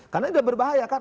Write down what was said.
karena ini berbahaya kan